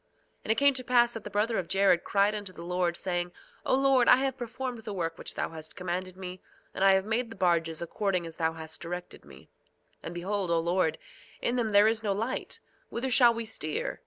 2:18 And it came to pass that the brother of Jared cried unto the Lord, saying: O Lord, I have performed the work which thou hast commanded me, and I have made the barges according as thou hast directed me. 2:19 And behold, O Lord, in them there is no light; whither shall we steer?